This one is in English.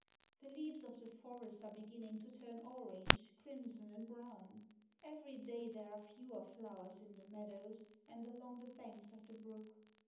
"The leaves of the forest are beginning to turn orange, crimson, and brown. Every day there are fewer flowers in the meadows and along the banks of the brook.